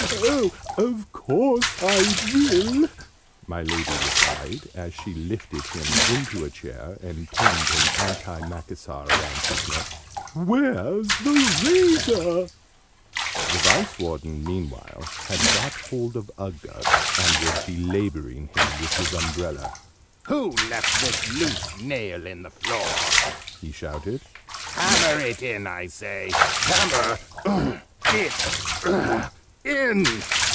Of course I will!" my Lady replied, as she lifted him into a chair, and pinned an anti macassar round his neck. "Where's the razor?" The Vice Warden meanwhile had got hold of Uggug, and was belabouring him with his umbrella. "Who left this loose nail in the floor?" he shouted, "Hammer it in, I say! Hammer it in!"